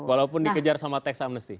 walaupun dikejar sama teks amnesti